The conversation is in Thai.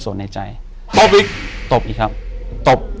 อยู่ที่แม่ศรีวิรัยิลครับ